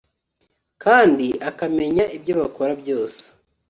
kandi akamenya ibyo bakora byose